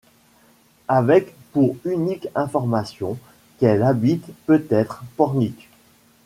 Avec pour unique information, qu'elle habite peut-être Pornic.